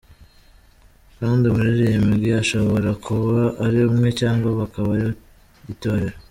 Kandi umuririmbwi ashobara kuba ari umwe cyangwa bakaba ari itorero.